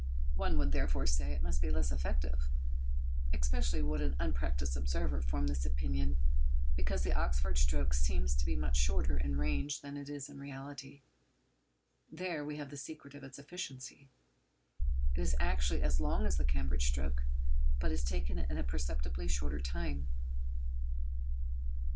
One would, therefore, say it must be less effective. Especially would an unpractised observer form this opinion, because the Oxford stroke seems to be much shorter in range than it is in reality. There we have the secret of its efficiency. It is actually as long as the Cambridge stroke, but is taken in a perceptibly shorter time.